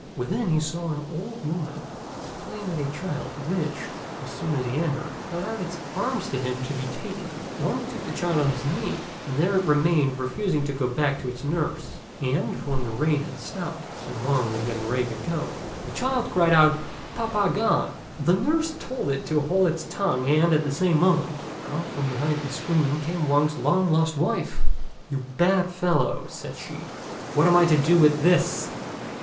Within he saw an old woman playing with a child, which, as soon as he entered, held out its arms to him to be taken. Wang took the child on his knee, and there it remained, refusing to go back to its nurse; and, when the rain had stopped, and Wang was getting ready to go, the child cried out, "Pa pa gone!" The nurse told it to hold its tongue, and, at the same moment, out from behind the screen came Wang's long lost wife. "You bad fellow," said she, "what am I to do with this?"